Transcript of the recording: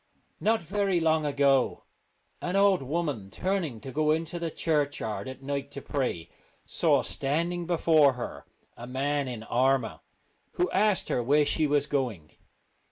Not very long ago an old woman, turning to go into the churchyard at night to pray, saw standing before her a man in armour, who asked her where she was going.